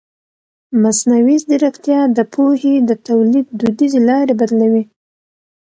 مصنوعي ځیرکتیا د پوهې د تولید دودیزې لارې بدلوي.